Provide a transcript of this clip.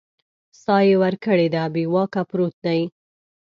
ساه یې ورکړې ده بې واکه پروت دی